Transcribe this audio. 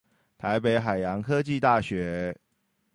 台北海洋科技大學